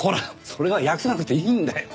それは訳さなくていいんだよ！